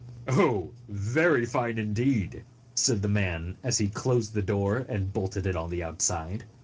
"Oh, very fine, indeed!" said the man, as he closed the door and bolted it on the outside.